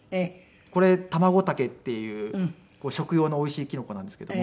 これタマゴタケっていう食用のおいしいキノコなんですけども。